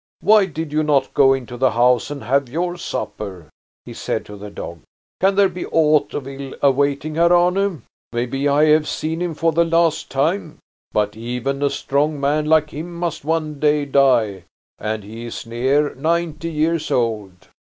Why did you not go into the house and have your supper?" he said to the dog. "Can there be aught of ill awaiting Herr Arne? Maybe I have seen him for the last time. But even a strong man like him must one day die, and he is near ninety years old."